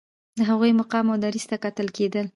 د هغوی مقام او دریځ ته کتل کېده.